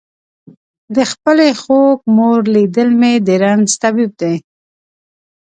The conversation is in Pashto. د خپلې خوږ مور لیدل مې د رنځ طبیب دی.